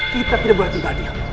kita tidak boleh tinggal diam